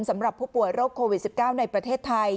สำหรับผู้ป่วยโรคโควิด๑๙ในประเทศไทย